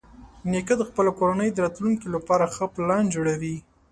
نیکه د خپلې کورنۍ د راتلونکي لپاره ښه پلان جوړوي.